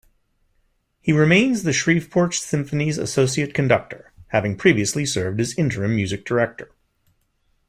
He remains the Shreveport Symphony's Associate Conductor, having previously served as Interim Music Director.